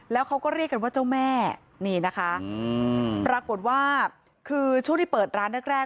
แล้วเขาก็เรียกกันว่าเจ้าแม่นี่นะคะปรากฏว่าคือช่วงที่เปิดร้านแรกแรก